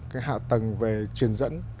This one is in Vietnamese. cái hạ tầng về truyền dẫn